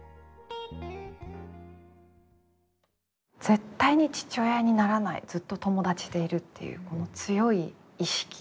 絶対に父親にならないずっと友達でいるっていうこの強い意識